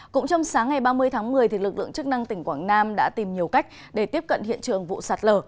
cũng trong sáng ngày ba mươi tháng một mươi lực lượng chức năng tỉnh quảng nam đã tìm nhiều cách để tiếp cận hiện trường vụ sạt lở